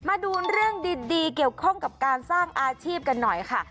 มาดูเรื่องดีเกี่ยวข้องกับการสร้างอาชีพกันหน่อยค่ะ